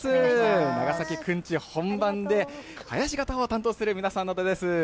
長崎くんち本番で、囃子方を担当する皆さんです。